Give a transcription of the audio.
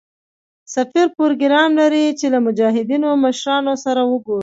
سفیر پروګرام لري چې له مجاهدینو مشرانو سره وګوري.